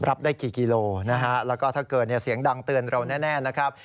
รับได้กี่กิโลนะฮะแล้วก็ถ้าเกิดเสียงดังเตือนเราแน่นะครับ